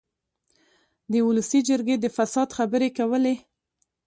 د اولسي جرګې د فساد خبرې کولې.